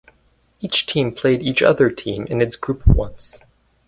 Each team played each other team in its group once.